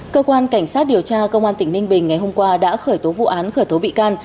cơ quan cảnh sát điều tra công an tỉnh ninh bình ngày hôm qua đã khởi tố vụ án khởi tố bị can